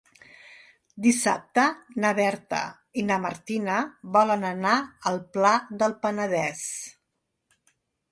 Dissabte na Berta i na Martina volen anar al Pla del Penedès.